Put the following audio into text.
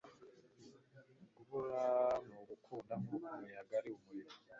Kubura ni ugukunda nkuko umuyaga ari umuriro